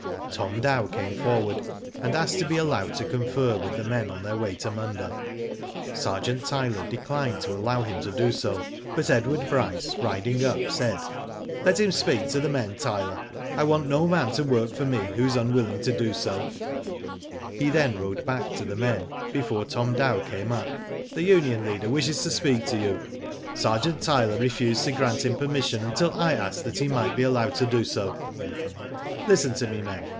Tom Dow came forward, and asked to be allowed to confer with the men on their way to Munda. Sergeant Tyler declined to allow hini to do so, but Edward Bryce, ridiAg up, said :" Let him speak to the men, Tyler. I want no man to work for me who is unwilling to do so " Digitized byGoogk TROUBLE BREWING, 115 He then rode back to the men, and said, before Tom Dow came up : The union leader wishes to speak to you. Sergeant Tyler refused to grant him permission until I asked that he might be allowed to do so. Listen to me, men.